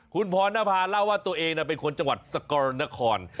คุณพรณภาเล่าว่าตัวเองเป็นคนจังหวัดสกรณนคร